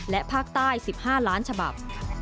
และภาคใต้๑๕ล้านฉบับ